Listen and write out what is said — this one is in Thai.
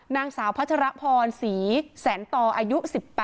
นางสาวพัชรพรศรีแสนตออายุ๑๘